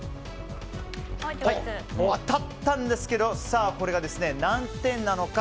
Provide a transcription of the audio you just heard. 当たったんですけどこれが何点なのか。